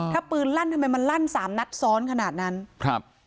ถ้าปืนลั่นทำไมมันลั่นสามนัดซ้อนขนาดนั้นครับ